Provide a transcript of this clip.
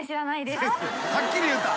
はっきり言った。